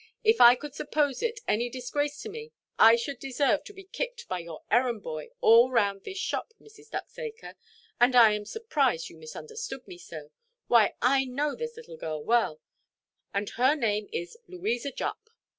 If I could suppose it any disgrace to me, I should deserve to be kicked by your errand–boy all round this shop, Mrs. Ducksacre; and I am surprised you misunderstand me so. Why, I know this little girl well; and her name is Louisa Jupp."